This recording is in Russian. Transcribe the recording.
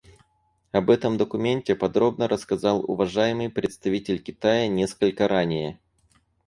Об этом документе подробно рассказал уважаемый представитель Китая несколько ранее.